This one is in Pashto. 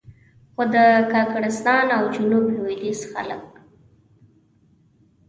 خو د کاکړستان او جنوب لوېدیځ خلک.